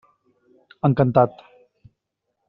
Encantat.